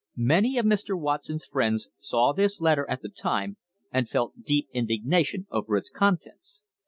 Many of Mr. Watson's friends saw this letter at the time and felt deep indignation over its contents.